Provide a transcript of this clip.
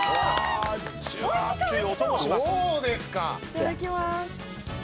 ・いただきます。